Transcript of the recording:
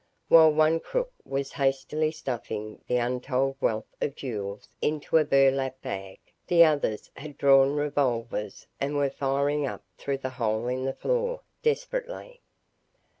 While one crook was hastily stuffing the untold wealth of jewels into a burlap bag, the others had drawn revolvers and were firing up through the hole in the floor, desperately.